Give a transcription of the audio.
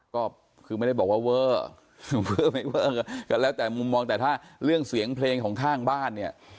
ก็คือไม่ได้บอกว่าเวอร์เวอร์ไม่เวอร์ก็แล้วแต่มุมมองแต่ถ้าเรื่องเสียงเพลงของข้างบ้านเนี่ย